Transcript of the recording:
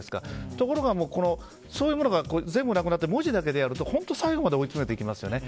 ところが、そういうものが全部なくなって文字だけでやると本当に最後まで追い詰めていきますよね。